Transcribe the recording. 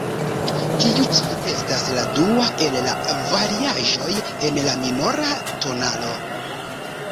Tiu ĉi estas la dua el la variaĵoj en la minora tonalo.